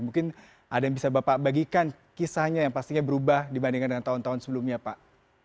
mungkin ada yang bisa bapak bagikan kisahnya yang pastinya berubah dibandingkan dengan tahun tahun sebelumnya pak